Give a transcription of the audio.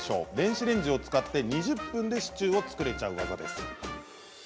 電子レンジを使って、２０分でシチューを作れちゃいます。